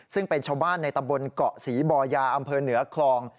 ซึ่งเป็นชาวบ้านในตำบลเกาะศรีบอยาอำเภอเหนือคลอง